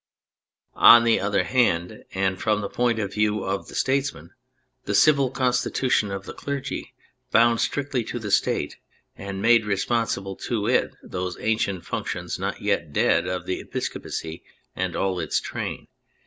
On the other hand, and from the point of view of the statesman, the Civil Constitution of the Clergy bound strictly to the State and made responsible to it those ancient functions, not yet dead, of the episcopacy and all its train.